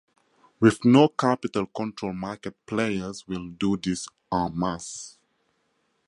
With no capital control market players will do this "en masse".